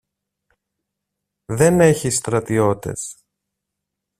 Δεν έχεις στρατιώτες.